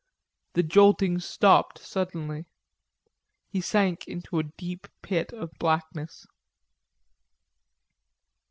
The jolting stopped suddenly. He sank into a deep pit of blackness.